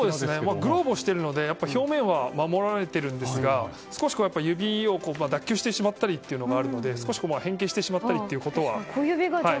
グローブをしているので表面は守られているんですが指を脱臼してしまったりもあるので少し変形してしまったりとかは若干。